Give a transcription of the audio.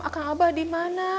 akan abah dimana